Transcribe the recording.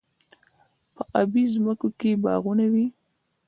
په ابی ځمکو کې باغونه وي.